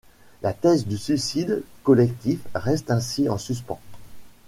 La thèse du suicide collectif reste ainsi en suspens.